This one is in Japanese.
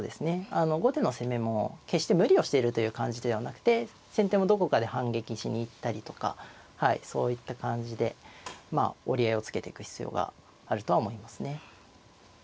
あの後手の攻めも決して無理をしているという感じではなくて先手もどこかで反撃しに行ったりとかそういった感じで折り合いをつけていく必要があるとは思いますね。